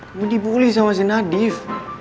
kamu dibully sama si nadif